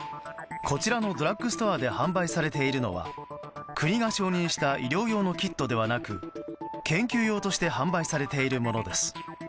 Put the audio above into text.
こちらのドラッグストアで販売されているのは国が承認した医療用のキットではなく研究用として販売されているものです。